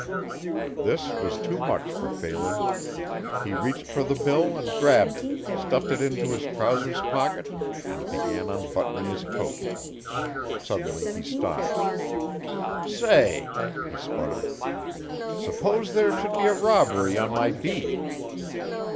This was too much for Phelan. He reached for the bill and grabbed it, stuffed it into his trousers pocket and began unbuttoning his coat. Suddenly he stopped. "Say," he sputtered. "S'pose there should be a robbery on my beat?"